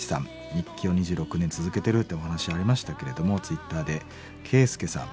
日記を２６年続けてるってお話ありましたけれどもツイッターでケイスケさん。